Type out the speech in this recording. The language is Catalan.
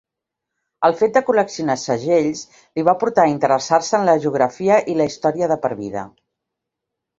El fet de col·leccionar segells li va portar a interessar-se en la geografia i la història de per vida.